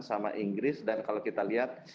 sama inggris dan kalau kita lihat